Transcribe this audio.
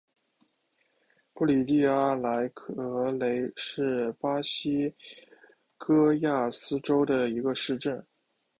布里蒂阿莱格雷是巴西戈亚斯州的一个市镇。